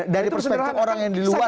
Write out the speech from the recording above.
dari perspektif orang yang di luar gitu kan